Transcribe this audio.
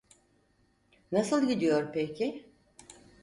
Nasıl gidiyor peki?